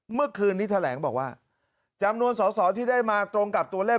เมื่อคืนนี้แถลงบอกว่าจำนวนสอสอที่ได้มาตรงกับตัวเลข